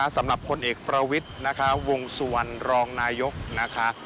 สำหรับคนเอกประวิทย์วงสะวนรองนายกฯนะคะ